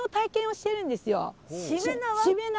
しめ縄。